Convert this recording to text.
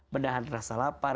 menahan rasa lapar